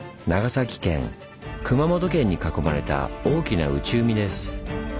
熊本県に囲まれた大きな内海です。